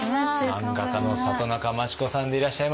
マンガ家の里中満智子さんでいらっしゃいます。